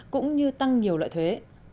cũng như tăng nhiều loại thuế